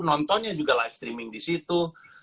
nontonnya juga live streaming di situ